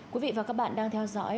quý vị và các bạn đang theo dõi